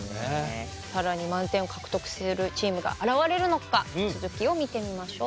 更に満点を獲得するチームが現れるのか続きを見てみましょう。